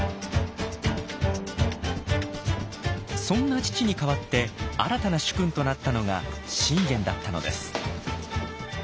そんな父に代わって新たな主君となったのが信玄だったのです。